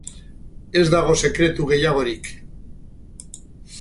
Ez dago sekretu gehiagorik.